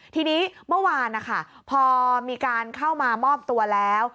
ทีนี้เมื่อวานนะคะพอมีการเข้ามามอบตัวแล้ว